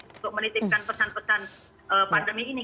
untuk menitipkan pesan pesan pandemi ini